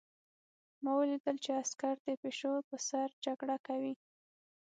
ما ولیدل چې عسکر د پیشو په سر جګړه کوي